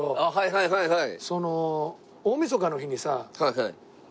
はいはいはい。